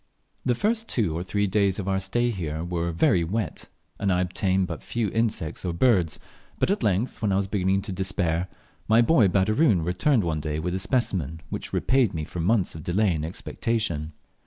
The first two or three days of our stay here were very wet, and I obtained but few insects or birds, but at length, when I was beginning to despair, my boy Baderoon returned one day with a specimen which repaid me for months of delay and expectation.